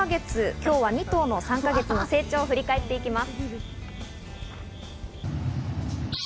今日は２頭の３か月の成長を振り返っていきます。